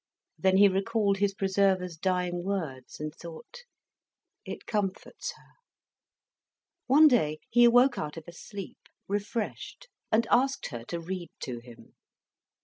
Then he recalled his preserver's dying words, and thought, "It comforts her." One day he awoke out of a sleep, refreshed, and asked her to read to him.